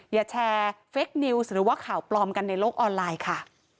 อย่าแชร์เฟคนิวส์หรือว่าข่าวปลอมกันในโลกออนไลน์ค่ะ